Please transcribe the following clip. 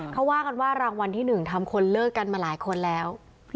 เขาว่ากันว่ารางวัลที่๑ทำคนเลิกกันมาหลายคนแล้ว